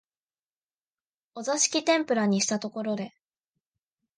お座敷天婦羅にしたところで、